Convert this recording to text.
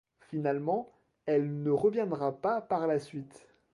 Finalement, elle ne reviendra pas par la suite.